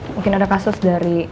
mungkin ada kasus dari